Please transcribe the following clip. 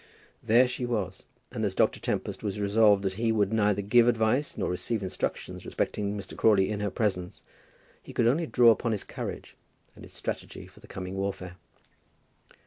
There she was, and as Dr. Tempest was resolved that he would neither give advice nor receive instructions respecting Mr. Crawley in her presence, he could only draw upon his courage and his strategy for the coming warfare.